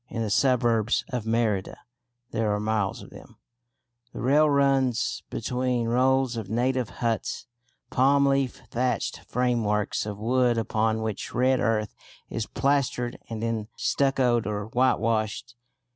In the suburbs of Merida (there are miles of them) the rail runs between rows of native huts, palm leaf thatched frameworks of wood upon which red earth is plastered and then stuccoed or whitewashed.